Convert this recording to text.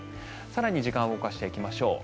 更に時間を動かしていきましょう。